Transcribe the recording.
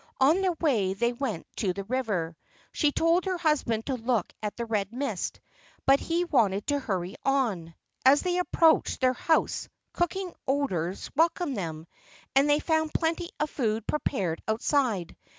On their way they went to the river. She told her husband to look at the red mist, but he wanted to hurry on. As they approached their house, cooking odors welcomed them, and they found plenty of food prepared outside.